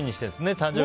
誕生日。